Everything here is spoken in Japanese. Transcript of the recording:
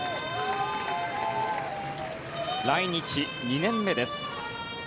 来日２年目です。